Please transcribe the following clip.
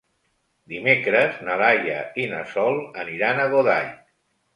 Dimecres na Laia i na Sol aniran a Godall.